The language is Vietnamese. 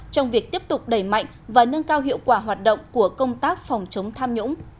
trong việc tiếp tục đẩy mạnh và nâng cao hiệu quả hoạt động của công tác phòng chống tham nhũng